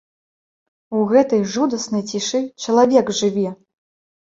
У гэтай жудаснай цішы чалавек жыве!